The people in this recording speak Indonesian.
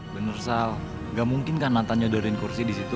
bener sal gak mungkin kan lantan nyodorin kursi disitu